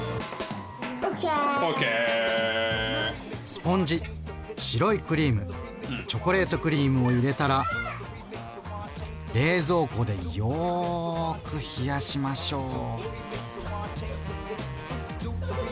スポンジ白いクリームチョコレートクリームを入れたら冷蔵庫でよく冷やしましょう。